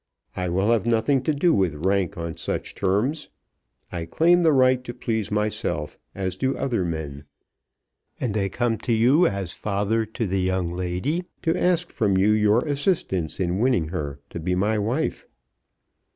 I will have nothing to do with rank on such terms. I claim the right to please myself, as do other men, and I come to you as father to the young lady to ask from you your assistance in winning her to be my wife."